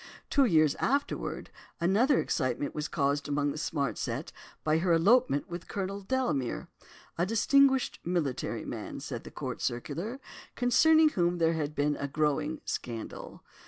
Two years afterwards another excitement was caused among the smart set by her elopement with Colonel Delamere, 'a distinguished military man,' said the Court Circular, concerning whom there had been a growing scandal.